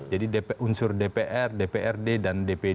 jadi unsur dpr dprd dan dprd